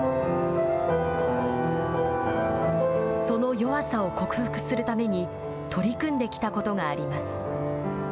その弱さを克服するために取り組んできたことがあります。